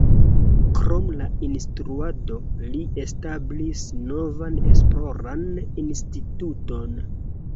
Krom la instruado, li establis novan esploran instituton.